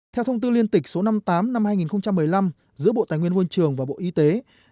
theo thông tư liên tịch số năm mươi tám năm hai nghìn một mươi năm giữa bộ tài nguyên vân trường và bộ y tế